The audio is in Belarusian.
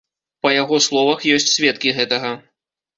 Па яго словах, ёсць сведкі гэтага.